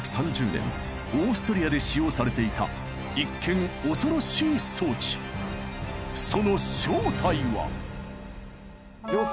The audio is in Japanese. １９３０年オーストリアで使用されていた一見恐ろしい装置その正体は？